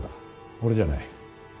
俺じゃない。